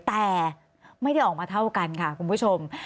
แต่ไม่ได้ออกมาเท่ากันค่ะคุณผู้ชม